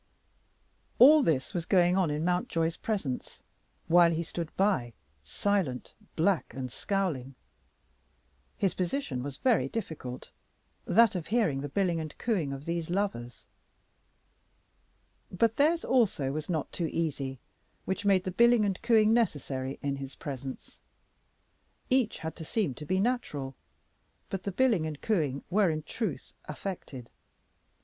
All this was going on in Mountjoy's presence, while he stood by, silent, black, and scowling. His position was very difficult, that of hearing the billing and cooing of these lovers. But theirs also was not too easy, which made the billing and cooing necessary in his presence. Each had to seem to be natural, but the billing and cooing were in truth affected.